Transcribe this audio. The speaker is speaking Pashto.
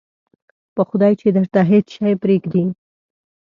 په خدای چې درته هېڅ شی پرېږدي.